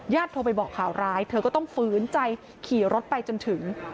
โทรไปบอกข่าวร้ายเธอก็ต้องฝืนใจขี่รถไปจนถึง